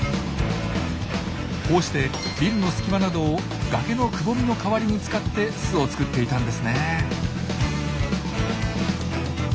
こうしてビルの隙間などを崖のくぼみの代わりに使って巣を作っていたんですね。